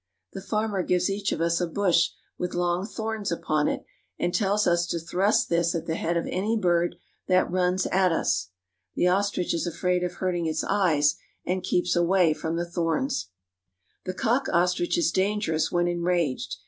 The farmer gives each of us a bush with long thorns upon it, and tells us to thrust this at the head of any bird that runs at us. The ostrich is afraid of hurting its eyes, and keeps away from the thorns. 292 AFRICA The cock ostrich is dangerous when enraged.